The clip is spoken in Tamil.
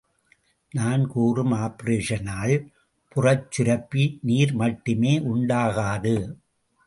நான் கூறும் ஆப்பரேஷனால் புறச் சுரப்பு நீர் மட்டுமே உண்டாகாது.